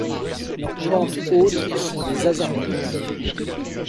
Leurs plantes hôtes sont des Asarum.